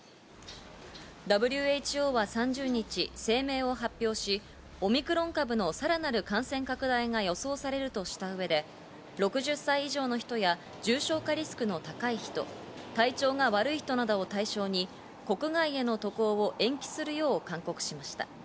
ＷＨＯは３０日、声明を発表し、オミクロン株のさらなる感染拡大が予想されるとした上で、６０歳以上の人や重症化リスクの高い人、体調が悪い人などを対象に国外への渡航を延期するよう勧告しました。